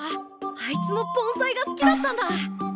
あいつも盆栽が好きだったんだ！